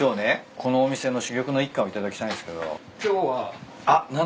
このお店の珠玉の一貫を頂きたいんすけど。